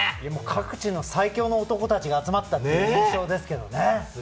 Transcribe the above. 各地の最強の男たちが集まった印象ですけどね。